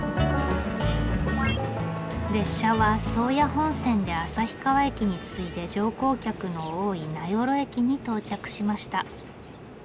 列車は宗谷本線で旭川駅に次いで乗降客の多い名寄駅に到着しました。